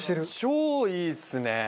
超いいっすね！